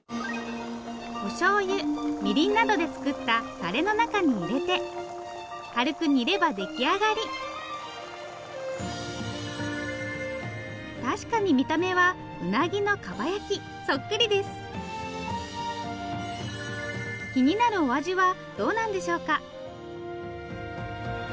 おしょうゆみりんなどで作ったタレの中に入れて軽く煮れば出来上がり確かに見た目はウナギのかば焼きそっくりです気になるお味はどうなんでしょうか？